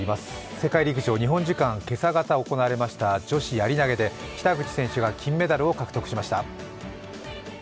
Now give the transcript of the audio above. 世界陸上、日本時間今朝方に行われました女子やり投で北口選手が金メダルを獲得しました。